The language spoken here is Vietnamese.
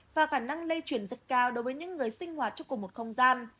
và khả năng lây chuyển rất cao đối với những người sinh hoạt trong cùng một không gian